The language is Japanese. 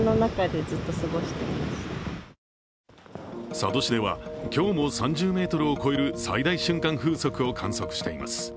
佐渡市では今日も３０メートルを超える最大瞬間風速を観測しています。